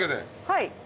はい。